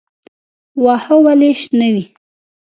واښه ولې شنه وي؟